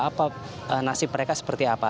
apa nasib mereka seperti apa